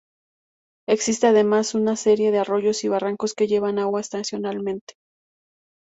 Existe además una serie de arroyos y barrancos que llevan agua estacionalmente.